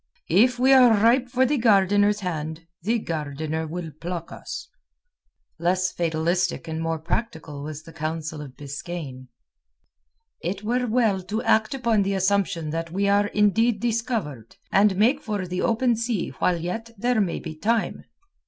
"If we are ripe for the gardeners hand, the gardener will pluck us." Less fatalistic and more practical was the counsel of Biskaine. "It were well to act upon the assumption that we are indeed discovered, and make for the open sea while yet there may be time."